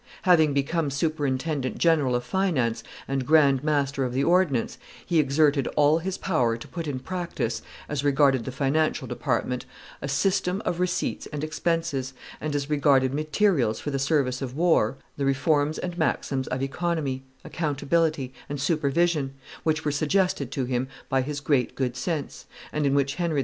Having become superintendent general of finance and grand master of the ordnance, he exerted all his power to put in practice, as regarded the financial department, a system of receipts and expenses, and as regarded materials for the service of war, the reforms and maxims of economy, accountability, and supervision, which were suggested to him by his great good sense, and in which Henry IV.